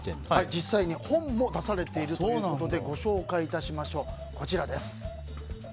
実際に本も出されているということでご紹介いたしましょう。